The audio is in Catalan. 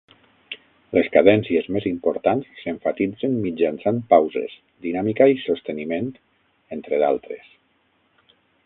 Les cadències més importants s'emfatitzen mitjançant pauses, dinàmica i sosteniment, entre d'altres.